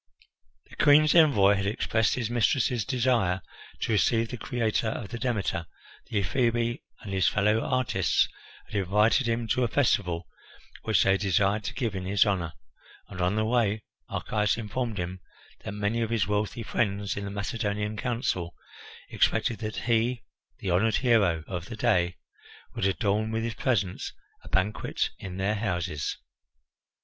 The Queen's envoy had expressed his mistress's desire to receive the creator of the Demeter, the Ephebi and his fellow artists had invited him to a festival which they desired to give in his honour, and on the way Archias informed him that many of his wealthy friends in the Macedonian Council expected that he, the honoured hero of the day, would adorn with his presence a banquet in their houses.